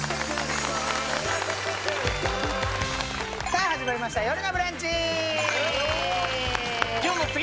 さあ始まりました「よるのブランチ」よーっ！